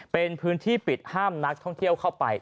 เป็นพื้นที่ปิดห้ามนักท่องเที่ยวเข้าไป